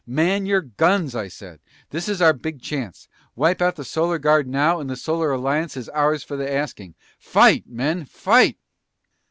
Man your guns, I said! This is our big chance! Wipe out the Solar Guard now and the Solar Alliance is ours for the asking! Fight, men! Fight!"